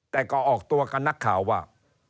แต่ก็ออกตัวกับนักข่าวว่า